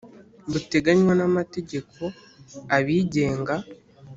buteganywa n amategeko abigenga